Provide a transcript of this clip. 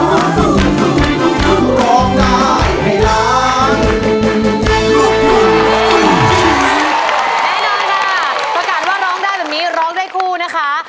แน่นอนค่ะประกาศว่าร้องได้แบบนี้ร้องได้คู่นะคะ